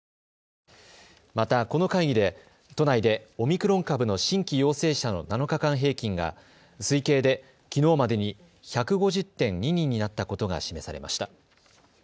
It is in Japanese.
またこの会議で都内でオミクロン株の新規陽性者の７日間平均が推計できのうまでに１５０．２人になったことが示されました。